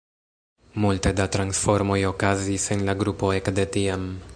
Multe da transformoj okazis en la grupo ekde tiam.